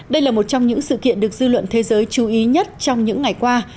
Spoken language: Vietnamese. đây là một trong những sự kiện được dư luận thế giới chú ý nhất trong những ngày qua